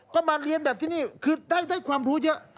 ก็มาเรียนแบบที่นี่คือได้ความรู้เยอะ